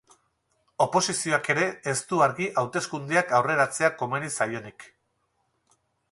Oposizioak ere ez du argi hauteskundeak aurreratzea komeni zaionik.